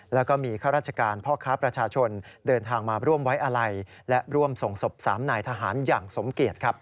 แล้วก็มีข้าราชการพ่อค้าประชาชนเดินทางมาร่วมไว้อาลัยและร่วมส่งศพ๓นายทหารอย่างสมเกียจครับ